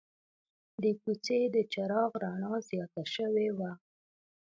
د کوڅې د چراغ رڼا زیاته شوې وه.